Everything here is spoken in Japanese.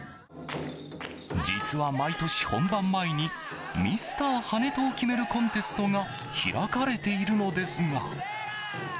実は毎年、本番前にミスター跳人を決めるコンテストが開かれているのですが。